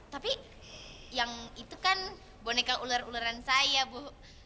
tapi yang itu kan boneka ular ularan saya bu